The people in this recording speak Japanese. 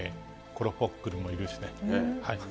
コロポックルもいるしね。